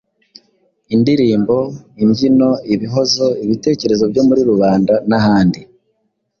indirimbo, imbyino, ibihozo, ibitekerezo byo muri rubanda n’ahandi.